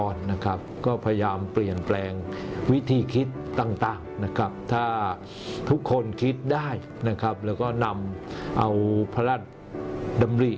กระเศษกรก็พยายามเปลี่ยนแปลงวิธีคิดต่างถ้าทุกคนคิดได้แล้วก็นำเอาพระราชดำริ